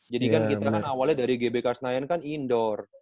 jadi kan kita kan awalnya dari gbk senayan kan indoor